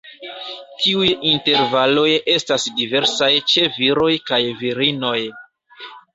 Tiuj intervaloj estas diversaj ĉe viroj kaj virinoj.